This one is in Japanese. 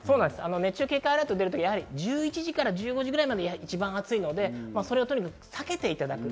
熱中症警戒アラートが出るときは１１時から１５時ぐらいまで一番暑いので、それをとにかく避けていただく。